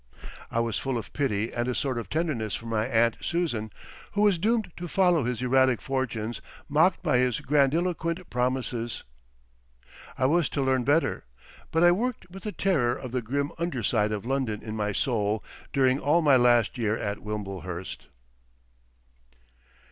I was full of pity and a sort of tenderness for my aunt Susan, who was doomed to follow his erratic fortunes mocked by his grandiloquent promises. I was to learn better. But I worked with the terror of the grim underside of London in my soul during all my last year at Wimblehurst.